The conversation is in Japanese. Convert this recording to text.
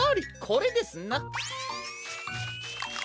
これですな！